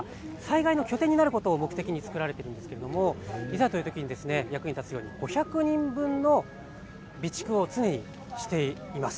災害の拠点になることを目的に作られているんですがいざという時に役に立つように５００人分の備蓄を常にしています。